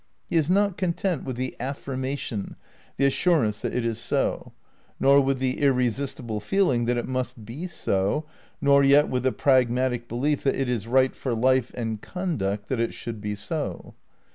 He is not content with the affirmation, the assur ance that it is so, nor with the irresistible feeling that it must be so, nor yet with the pragmatic belief that it is right for life and conduct that it should be so.